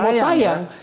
saya pas udah datang